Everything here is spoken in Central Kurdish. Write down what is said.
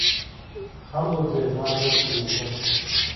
خەم بۆ جێژوان دەستی گرتووم